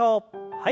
はい。